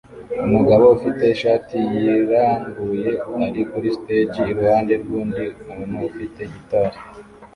Umugabo ufite ishati irambuye ari kuri stage iruhande rwundi muntu ufite gitari